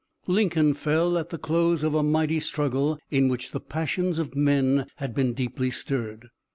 Lincoln fell at the close of a mighty struggle in which the passions of men had been deeply stirred.